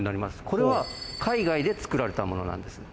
これは海外でつくられたものなんです。